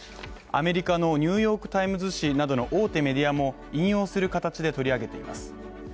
アメリカの「ニューヨーク・タイムズ」紙などの大手メディアも引用する形で取り上げています。